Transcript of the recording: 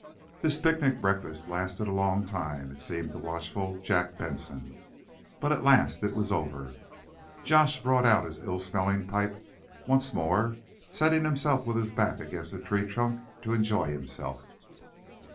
This picnic breakfast lasted a long time, it seemed to watchful Jack Benson. But at last it was over. Josh brought out his ill smelling pipe once more, settling himself, with his back against a tree trunk, to enjoy himself.